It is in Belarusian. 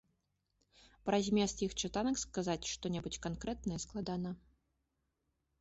Пра змест іх чытанак сказаць што-небудзь канкрэтнае складана.